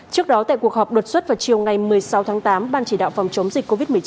trước đó tại cuộc họp đột xuất vào chiều ngày một mươi sáu tháng tám ban chỉ đạo phòng chống dịch covid một mươi chín